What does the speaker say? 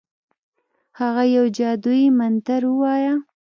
هغه یو جادویي منتر ووایه.